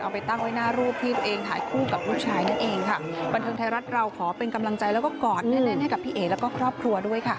เอาไปตั้งไว้หน้ารูปที่ตัวเองถ่ายคู่กับลูกชายนั่นเองค่ะ